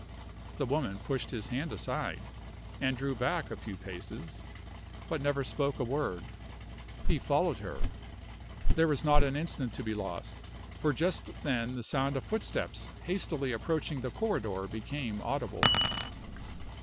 The woman pushed his hand aside, and drew back a few paces, but never spoke a word. He followed her. There was not an instant to be lost, for just then the sound of footsteps hastily approaching the corridor became audible.